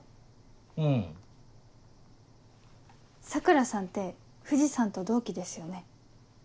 桜さんって藤さんと同期ですよね。